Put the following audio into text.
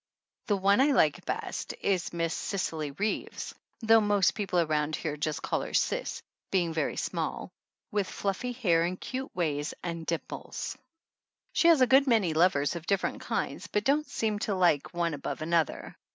The one I like best is Miss Cicely Reeves, though most people around here call her Cis, being very small, with fluffy hair and cute ways and dimples. She has a good many lovers of dif ferent kinds, but don't seem to like one above an other.